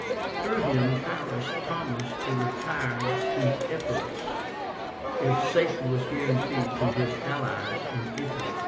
Through him Pyrrhus promised to retire to Epirus if safety was guaranteed to his allies in Italy.